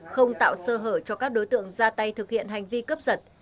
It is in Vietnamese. không tạo sơ hở cho các đối tượng ra tay thực hiện hành vi cướp giật